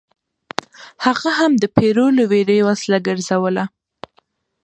هغه هم د پیرو له ویرې وسله ګرځوله.